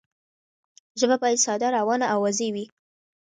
ژبه باید ساده، روانه او واضح وي.